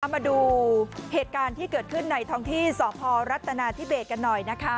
มาดูเหตุการณ์ที่เกิดขึ้นในท้องที่สพรัฐนาธิเบสกันหน่อยนะคะ